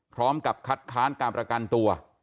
พร้อมกับคัดค้านการประกันตัว